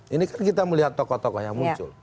ini kan kita melihat tokoh tokoh yang muncul